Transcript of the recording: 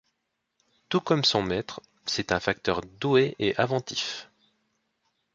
Tout comme son maître, c'est un facteur doué et inventif.